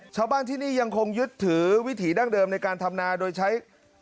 ชาวบ้านที่นี่ยังคงยึดถือวิถีดั้งเดิมในการทำนาโดยใช้